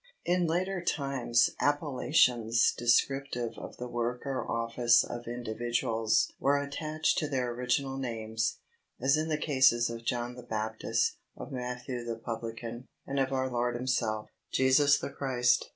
In later times appellations descriptive of the work or office of individuals were attached to their original names, as in the cases of John the Baptist, of Matthew the Publican, and of our Lord Himself, Jesus the Christ.